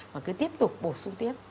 mà cứ tiếp tục bổ sung tiếp